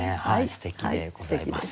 すてきでございます。